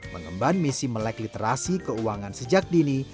mengemban misi melek literasi keuangan sejak dini